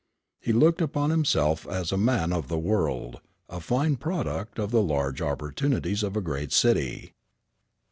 He looked upon himself as a man of the world, a fine product of the large opportunities of a great city.